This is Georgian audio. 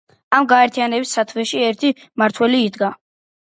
ამ გაერთიანების სათავეში ერთი მმართველი იდგა.